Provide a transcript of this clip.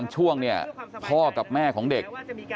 ช่วงเนี่ยพ่อกับแม่ของเด็ก